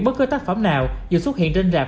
bất cứ tác phẩm nào dù xuất hiện trên rạp